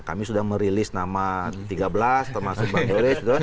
kami sudah merilis nama tiga belas termasuk bang yoris